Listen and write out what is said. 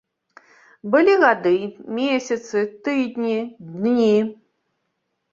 Былі гады, месяцы, тыдні, дні.